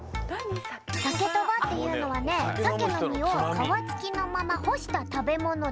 サケとばっていうのはねサケの身をかわつきのまま干した食べものだよ。